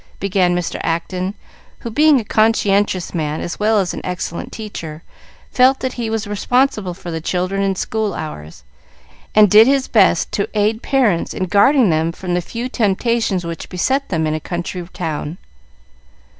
began Mr. Acton, who, being a conscientious man as well as an excellent teacher, felt that he was responsible for the children in school hours, and did his best to aid parents in guarding them from the few temptations which beset them in a country town.